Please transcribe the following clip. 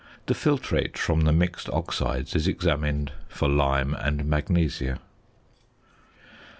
The filtrate from the mixed oxides is examined for lime and magnesia.